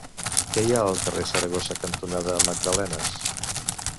Què hi ha al carrer Saragossa cantonada Magdalenes?